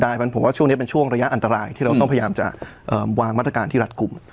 เพราะฉะนั้นผมว่าช่วงนี้เป็นช่วงระยะอันตรายที่เราต้องพยายามจะวางมาตรการที่รัฐกลุ่ม